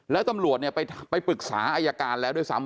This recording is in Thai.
แล้วตำรวจไปปรึกษาอายการแล้วด้วยซ้ำ